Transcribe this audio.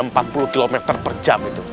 empat puluh km per jam itu